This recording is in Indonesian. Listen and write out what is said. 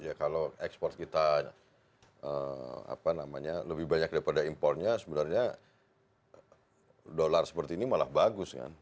ya kalau ekspor kita apa namanya lebih banyak daripada impornya sebenarnya dolar seperti ini malah bagus kan